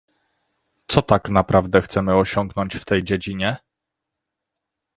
Co tak naprawdę chcemy osiągnąć w tej dziedzinie?